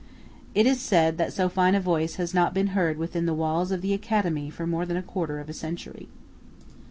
It is said that so fine a voice has not been heard within the walls of the Academy for more than a quarter of a century.